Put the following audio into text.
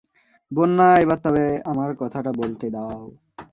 বন্যা, এবার তবে আমার কথাটা বলতে দাও।